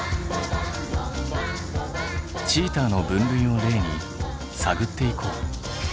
チーターの分類を例に探っていこう。